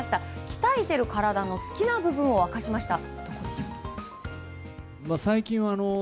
鍛えてる体の好きな部分を明かしました。